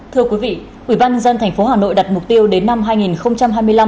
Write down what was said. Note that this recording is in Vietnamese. thưa quý vị ủy ban dân thành phố hà nội đặt mục tiêu đến năm hai nghìn hai mươi năm